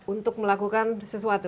untuk melakukan sesuatu